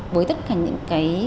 với tất cả những cái